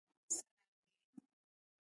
U wii kakang.